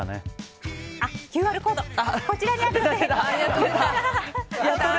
ＱＲコード、こちらです！